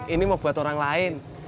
ini mau buat orang lain